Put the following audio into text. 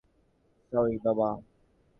Sorry, বাবা।